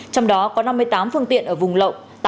trong đó có năm mươi tám phương tiện ở vùng lộng